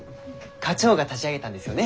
課長が立ち上げたんですよね